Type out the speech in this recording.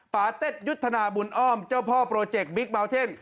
ปาเต็ดยุทธนาบุญอ้อมเจ้าพ่อโปรเจกต์บิ๊กเมาเทน